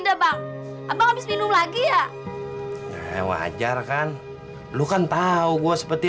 udah bang abang habis minum lagi ya wajar kan lu kan tahu gue seperti